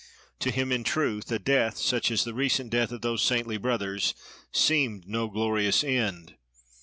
To him, in truth, a death such as the recent death of those saintly brothers, seemed no glorious end.